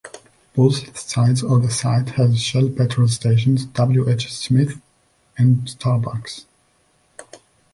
Both sides of the site have Shell petrol stations, W H Smith and Starbucks.